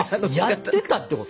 やってたってこと？